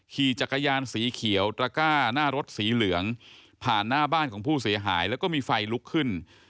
ขี่จักรยานสีเขียวตระก้าหน้ารถสีเหลืองผ่านหน้าบ้านของผู้เสียหายแล้วก็มีไฟลุกขึ้น